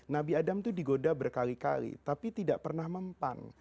nabi adam itu digoda berkali kali tapi tidak pernah mempan